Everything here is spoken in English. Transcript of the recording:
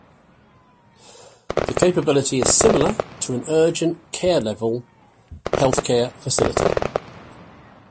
The capability is similar to an urgent care-level health care facility.